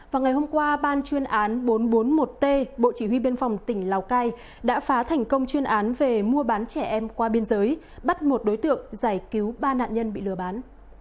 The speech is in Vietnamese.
vào ngày hôm qua ban chuyên án bốn trăm bốn mươi một t bộ chỉ huy biên phòng tỉnh lào cai đã phá thành công chuyên án về mua bán trẻ em qua biên giới bắt một đối tượng giải cứu ba nạn nhân bị lừa bán